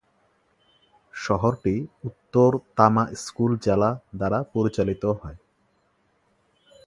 শহরটি উত্তর তামা স্কুল জেলা দ্বারা পরিচালিত হয়।